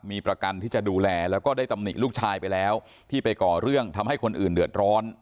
มีประกันที่จะดูแลแล้วก็ได้ตำหนิลูกชายไปแล้วที่ไปก่อเรื่องทำให้คนอื่นเดือดร้อน